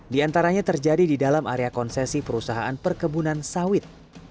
di antaranya terjadi di dalam area konsesi perusahaan perkebunan sawit